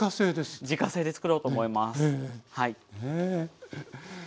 自家製でつくろうと思います。ね。